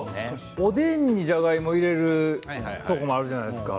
おでんにじゃがいもを入れるところもあるじゃないですか。